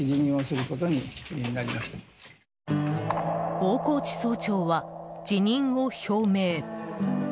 大河内総長は、辞任を表明。